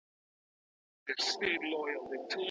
که په بازار کي منظم نرخونه وټاکل سي، نو خلګ نه غولیږي.